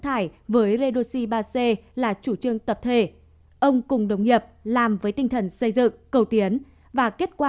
thải với redoxi ba c là chủ trương tập thể ông cùng đồng nghiệp làm với tinh thần xây dựng cầu tiến và kết quả